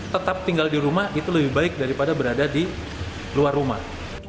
tetap tinggal di rumah itu lebih baik daripada berada di luar rumah